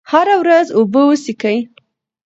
هره ورځ اوبه وڅښئ.